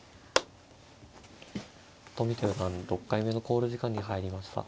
冨田四段６回目の考慮時間に入りました。